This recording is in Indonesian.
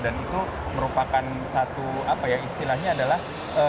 dan itu merupakan satu apa ya istilahnya adalah